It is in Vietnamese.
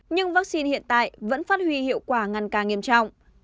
nhưng vaccine hiện tại vẫn phát huy hiệu quả ngăn ca nghiêm trọng